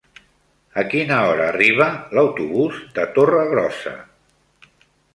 A quina hora arriba l'autobús de Torregrossa?